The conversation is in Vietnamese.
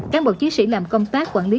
cán bộ chiến sĩ làm công tác quản lý